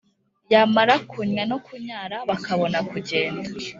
yamara kunnya no kunyara bakabona kugenda